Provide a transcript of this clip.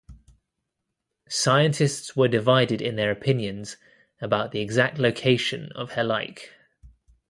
Scientists were divided in their opinions about the exact location of Helike.